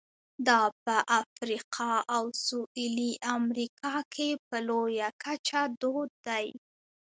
دا په افریقا او سوېلي امریکا کې په لویه کچه دود دي.